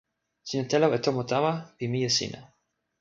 sina telo e tomo tawa pi mije sina.